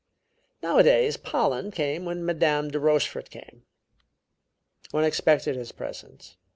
Nowadays Pollen came when Madame de Rochefort came; one expected his presence.